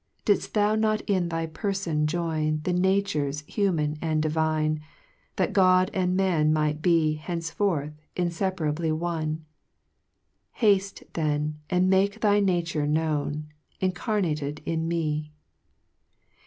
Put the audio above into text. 3 Didft thou not in thy perfon join, The natures human aud divine, That God and man might be Henceforth infeparably one ? Hafte, then, and make thy nature known, Incarnated in me.